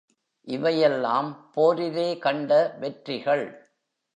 இவையெல்லாம் போரிலே கண்ட வெற்றிகள்!